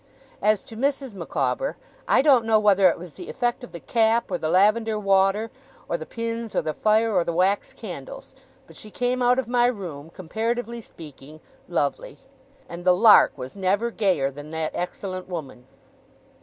As to Mrs. Micawber, I don't know whether it was the effect of the cap, or the lavender water, or the pins, or the fire, or the wax candles, but she came out of my room, comparatively speaking, lovely. And the lark was never gayer than that excellent woman.